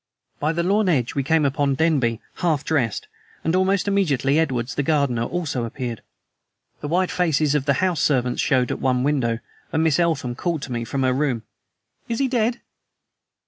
By the lawn edge we came upon Denby, half dressed; and almost immediately Edwards the gardener also appeared. The white faces of the house servants showed at one window, and Miss Eltham called to me from her room: "Is he dead?"